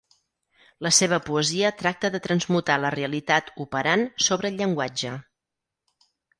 La seva poesia tracta de transmutar la realitat operant sobre el llenguatge.